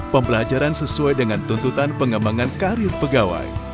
pembelajaran sesuai dengan tuntutan pengembangan karir pegawai